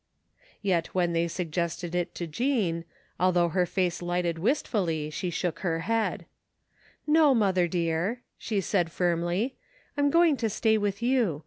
Yet when they suggested it to Jean, although her face lighted wistfully she shook her head. 250 TEE FINDING OF JASPER HOLT " No, Mother dear," she said firmly, " I'm going to stay with you.